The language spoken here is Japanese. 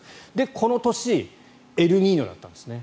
この年エルニーニョだったんですね。